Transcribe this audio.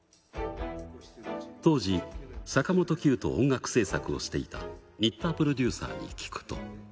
当時、坂本九と音楽制作をしていた新田プロデューサーに聞くと。